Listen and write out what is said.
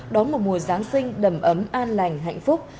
đón một mùa giáng sinh đầm ấm an lành hạnh phúc